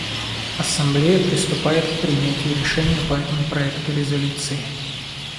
Ассамблея приступает к принятию решения по этому проекту резолюции.